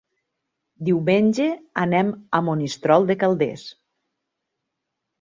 Diumenge anem a Monistrol de Calders.